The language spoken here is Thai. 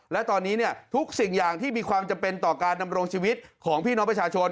และตอนนี้ทุกสิ่งอย่างที่มีความจำเป็นต่อการดำรงชีวิตของพี่น้องประชาชน